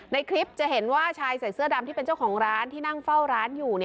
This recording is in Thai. ในคลิปจะเห็นว่าชายใส่เสื้อดำที่เป็นเจ้าของร้านที่นั่งเฝ้าร้านอยู่